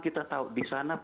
kita tahu di sana